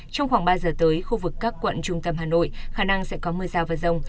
trong khoảng ba giờ tới khu vực các quận trung tâm hà nội khả năng sẽ có mưa rào và rông